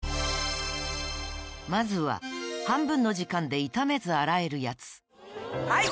まずは半分の時間で傷めず洗えるヤツはい！